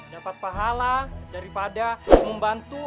dapat pahala daripada membantu